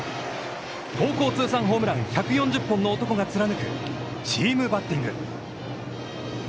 高校通算ホームラン１４０本の男が貫くチームバッティング。